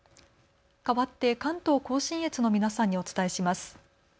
かわって関東甲信越の皆さんにお伝えします。